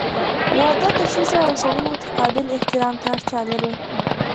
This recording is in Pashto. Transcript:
• واده د ښځې او سړي متقابل احترام ته اړتیا لري.